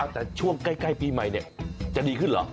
แต่ช่วงใกล้ปีใหม่จะดีขึ้นเหรอ